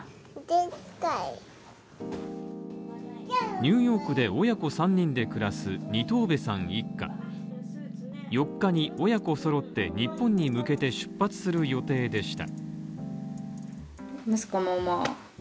ニューヨークで親子３人で暮らす二藤部さんに一家４日に親子揃って日本に向けて出発する予定でした。